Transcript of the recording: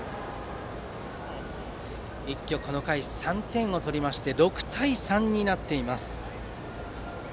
一挙この回３点を取りまして６対３になっています。